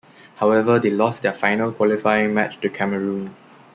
However, they lost their final qualifying match to Cameroon.